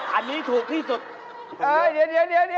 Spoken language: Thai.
อันนี้ถูกที่สุด